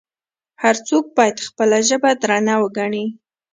هر څوک باید خپله ژبه درنه وګڼي.